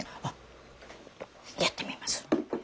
やってみます。